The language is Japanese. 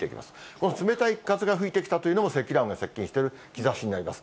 この冷たい風が吹いてきたというのも積乱雲が接近している兆しになります。